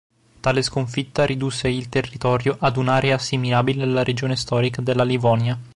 Tale sconfitta ridusse il territorio ad un'area assimilabile alla regione storica della Livonia.